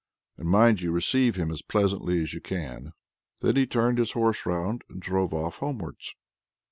And mind you receive him as pleasantly as you can." Then he turned his horse round and drove off homewards.